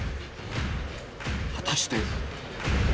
果たして。